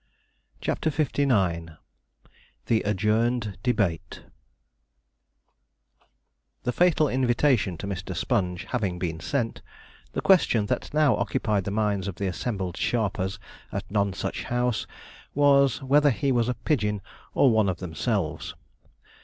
CHAPTER LIX THE ADJOURNED DEBATE The fatal invitation to Mr. Sponge having been sent, the question that now occupied the minds of the assembled sharpers at Nonsuch House, was, whether he was a pigeon or one of themselves.